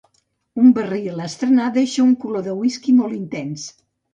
Un barril a estrenar deixa un color de whisky molt intens.